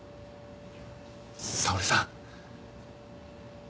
沙織さん。